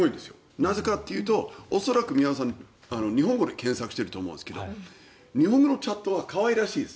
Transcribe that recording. なぜかというと、恐らく皆さん日本語で検索してると思うんですが日本語のチャットは可愛らしいです。